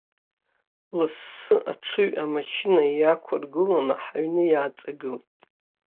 Лассы аҽыҩ амашьына иақәыргыланы ҳаҩны иааҵагылеит.